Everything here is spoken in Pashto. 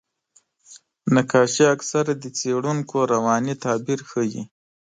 نقاشي اکثره د څېړونکو رواني تعبیر ښيي.